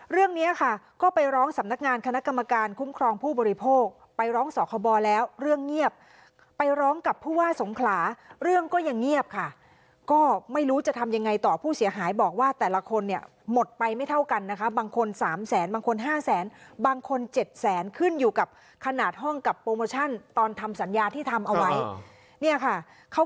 เราไปให้ทางรัฐบาลหรือผู้เกี่ยวข้องเนี่ยให้รับทราบถึงปัญหาว่า